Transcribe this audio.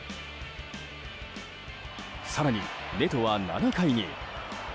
更に、ネトは７回に。